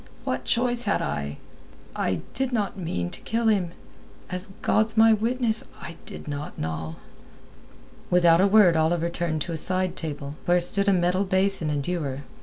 What choice had I? I did not mean to kill him—as God's my witness, I did not, Noll." Without a word Oliver turned to a side table, where stood a metal basin and ewer.